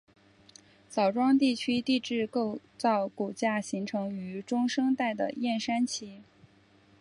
枣庄地区地质构造骨架形成于中生代的燕山期。